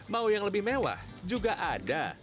mau yang lebih mewah juga ada